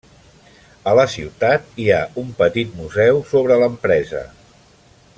A la ciutat hi ha un petit museu sobre l'empresa.